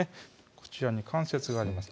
こちらに関節があります